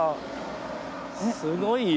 すごいよ。